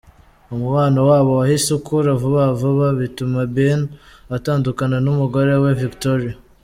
Umubano wabo wahise ukura vuba vuba, bituma Ben atandukana n’umugore we Victoria.